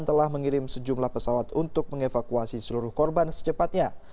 telah mengirim sejumlah pesawat untuk mengevakuasi seluruh korban secepatnya